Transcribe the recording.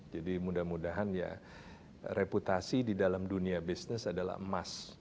jadi mudah mudahan ya reputasi di dalam dunia bisnis adalah emas